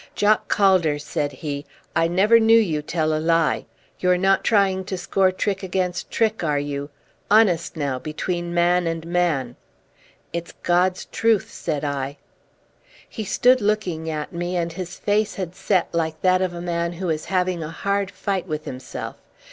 "Jock Calder," said he, "I never knew you tell a lie. You are not trying to score trick against trick, are you? Honest now, between man and man." "It's God's truth," said I. He stood looking at me, and his face had set like that of a man who is having a hard fight with himself.